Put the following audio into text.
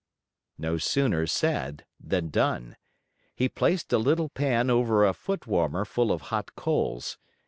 No sooner said than done. He placed a little pan over a foot warmer full of hot coals.